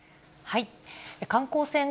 観光船